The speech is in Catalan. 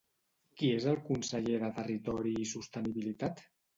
Qui és el conseller de Territori i Sostenibilitat?